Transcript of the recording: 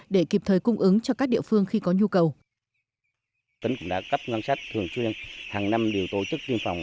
để kịp thời cung ứng cho các địa phương khi có nhu cầu